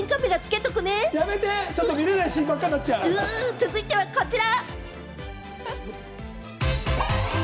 続いてはこちら。